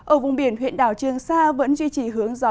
ở vùng biển huyện đào trương sa vẫn duy trì hướng gió